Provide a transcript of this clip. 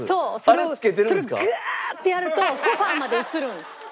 それをガーッとやるとソファまで映るんです。